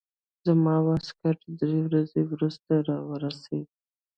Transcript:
زما واسکټ درې ورځې وروسته راورسېد.